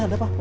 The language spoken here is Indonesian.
ada apa pak